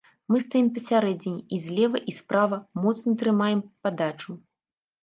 Мы стаім пасярэдзіне, і злева і справа, моцна трымаем падачу.